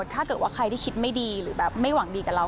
ถ้าเกิดว่าใครที่คิดไม่ดีหรือแบบไม่หวังดีกับเรา